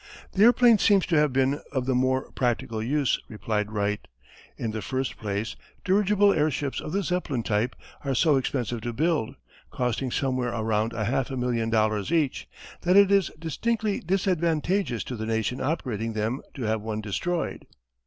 "The airplane seems to have been of the more practical use," replied Wright. "In the first place, dirigible airships of the Zeppelin type are so expensive to build, costing somewhere around a half million dollars each, that it is distinctly disadvantageous to the nation operating them to have one destroyed.